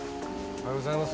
おはようございます。